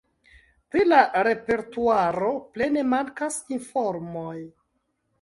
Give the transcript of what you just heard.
Pri la repertuaro plene mankas informoj.